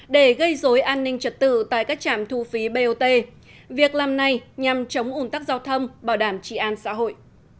để gây dối an ninh trật tự tại các trạm thu phí bot việc làm này nhằm chống ủn tắc giao thông bảo đảm trị an xã hội